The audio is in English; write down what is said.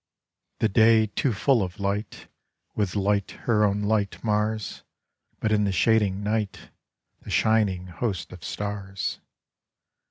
The day too full of light With light her own light mars; But in the shading night The shining host of stars.